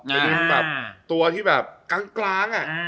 ไปดึงตัวที่แบบกลางอะ